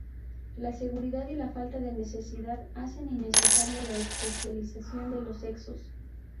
La seguridad y la falta de necesidad hacen innecesaria la especialización de los sexos.